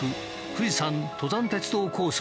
富士山登山鉄道構想。